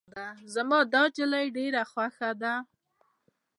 زما دا نجلی ډیره خوښه ده.